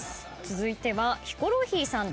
続いてはヒコロヒーさんです。